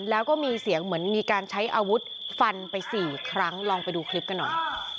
แล้วก็มีเสียงเหมือนมีการใช้อาวุธฟันไปสี่ครั้งลองไปดูคลิปกันหน่อย